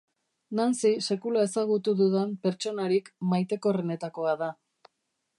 Nancy sekula ezagutu dudan pertsonarik maitekorrenetakoa da.